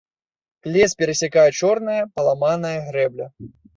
Лес перасякае чорная паламаная грэбля.